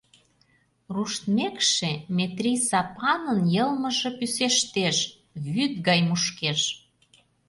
Руштмекше, Метрий Сапанын йылмыже пӱсештеш, вӱд гай мушкеш.